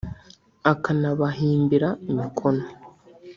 akanabahimbira imikono